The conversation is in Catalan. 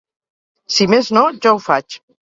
Si més no, jo ho faig.